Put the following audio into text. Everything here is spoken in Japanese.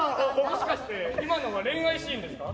もしかして今のは恋愛シーンですか？